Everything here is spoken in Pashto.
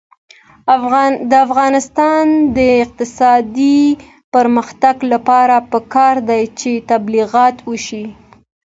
د افغانستان د اقتصادي پرمختګ لپاره پکار ده چې تبلیغات وشي.